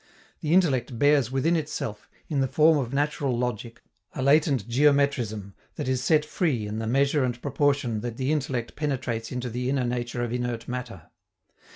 The intellect bears within itself, in the form of natural logic, a latent geometrism that is set free in the measure and proportion that the intellect penetrates into the inner nature of inert matter.